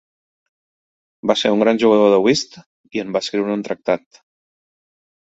Va ser un gran jugador de "whist" i en va escriure un tractat.